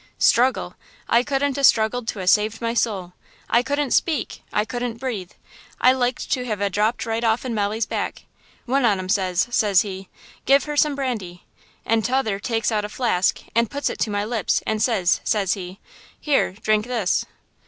"Struggle! I couldn't a struggled to a saved my soul! I couldn't speak! I couldn't breath! I liked to have a dropped right offen Molly's back. One on 'em says, says he: "'Give her some brandy!' And t'other takes out a flask and puts it to my lips and says, says he: "'Here, drink this.'